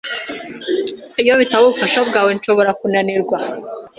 Iyo bitaba ubufasha bwawe, nshobora kunanirwa.